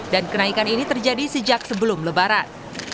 dan kenaikan ini terjadi sejak sebelum lebaran